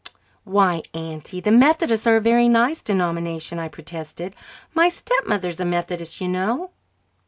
"Why, Auntie, the Methodists are a very nice denomination," I protested. "My stepmother is a Methodist, you know."